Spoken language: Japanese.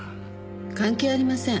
関係ありません。